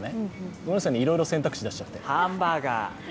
ごめんなさいね、いろいろ選択肢出しちゃって。